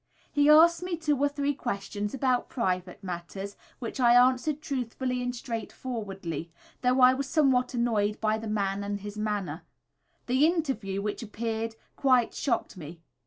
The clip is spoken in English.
He asked me two or three questions about private matters, which I answered truthfully and straightforwardly, though I was somewhat annoyed by the man and his manner. The "interview" which appeared quite shocked me.